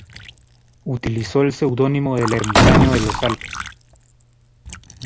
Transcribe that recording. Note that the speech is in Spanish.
Utilizó el seudónimo de El Ermitaño de los Alpes.